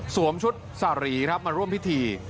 ชุดสารีครับมาร่วมพิธี